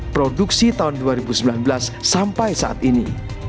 produksi tahun dua ribu sembilan belas sampai saat ini